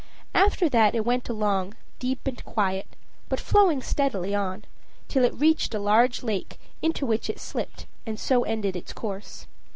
After that it went along, deep and quiet, but flowing steadily on, till it reached a large lake, into which it slipped and so ended its course.